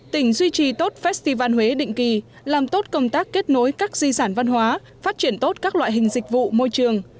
tỉnh duy trì tốt festival huế định kỳ làm tốt công tác kết nối các di sản văn hóa phát triển tốt các loại hình dịch vụ môi trường